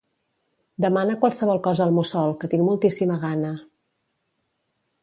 Demana qualsevol cosa al Mussol, que tinc moltíssima gana.